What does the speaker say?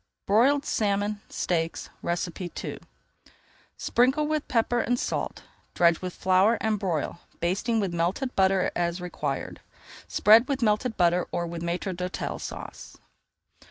BROILED SALMON STEAKS II Sprinkle with pepper and salt, dredge with flour, and broil, basting with melted butter as required. Spread with melted butter, or with Maître d'Hôtel Sauce.